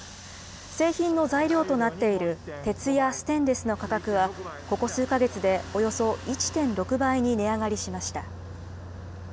製品の材料となっている鉄やステンレスの価格は、ここ数か月でおよそ１．６倍に値上がりしました。